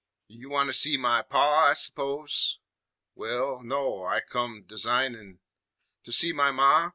"You want to see my Pa, I s'pose?" "Wal ... no ... I come dasignin' " "To see my Ma?